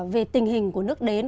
về tình hình của nước đến